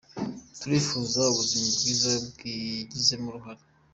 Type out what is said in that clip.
Tubifurije ubuzima bwiza, mwagizemo uruhare !.